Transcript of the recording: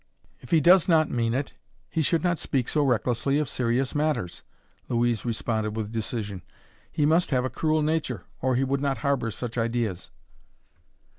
"If he does not mean it, he should not speak so recklessly of serious matters," Louise responded with decision. "He must have a cruel nature, or he would not harbor such ideas."